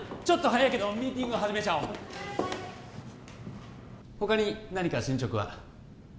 ちょっと早いけどミーティング始めちゃおう他に何か進捗は？